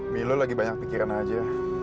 milo lagi banyak pikiran aja